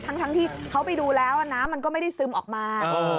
ทั้งที่เขาไปดูแล้วน้ำมันก็ไม่ได้ซึมออกมา